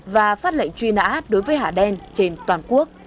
và phát lệnh truy nã đối với hà đen trên toàn quốc